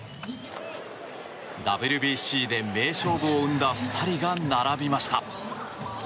ＷＢＣで名勝負を生んだ２人が並びました。